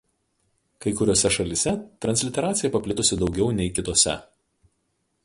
Kai kuriose šalyse transliteracija paplitusi daugiau nei kitose.